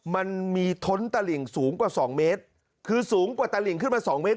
มันมีท้นตะหลิ่งสูงกว่าสองเมตรคือสูงกว่าตลิงขึ้นมาสองเมตร